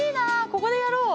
ここでやろう。